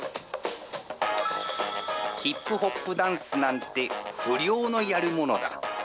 ヒップホップダンスなんて、不良のやるものだ。